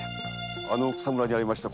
あの草むらにありました